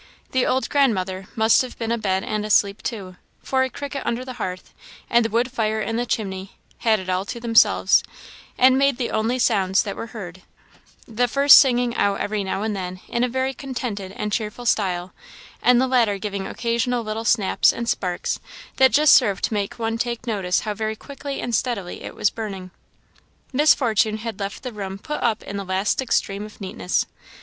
The old grandmother must have been abed and asleep, too, for a cricket under the hearth, and the wood fire in the chimney, had it all to themselves, and made the only sounds that were heard; the first singing out every now and then in a very contented and cheerful style, and the latter giving occasional little snaps and sparks, that just served to make one take notice how very quickly and steadily it was burning. Miss Fortune had left the room put up in the last extreme of neatness.